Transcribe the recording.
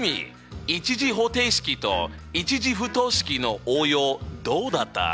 １次方程式と１次不等式の応用どうだった？